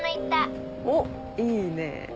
おっいいねぇ。